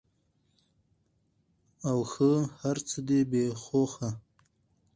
اوښه ! هرڅه دی بی هوښه .